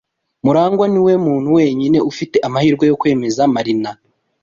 MuragwA niwe muntu wenyine ufite amahirwe yo kwemeza Marina.